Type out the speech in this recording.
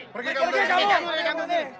pergi kamu rasteri